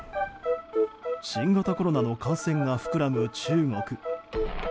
新型コロナの感染が膨らむ中国。